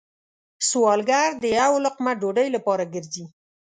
سوالګر د یو لقمه ډوډۍ لپاره گرځي